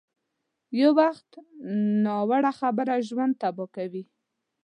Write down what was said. یو وخت ناوړه خبره ژوند تباه کوي.